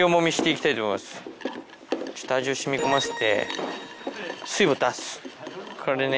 ちょっと味を染み込ませて水分を出す。